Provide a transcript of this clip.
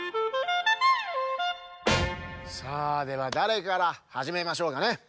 さあではだれからはじめましょうかね？